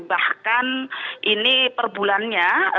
bahkan ini per bulannya